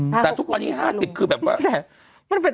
แต่ทุกวันนี้๕๐คือแบบว่า